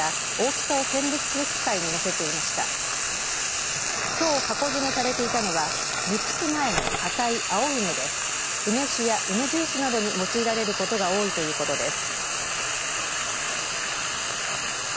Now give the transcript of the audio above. きょう箱詰めされていたのは熟す前の硬い青梅で梅酒や梅ジュースなどに用いられることが多いということです。